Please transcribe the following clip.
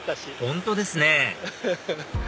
本当ですね